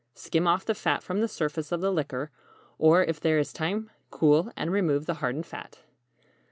Skim off the fat from the surface of the liquor; or if there is time, cool, and remove the hardened fat.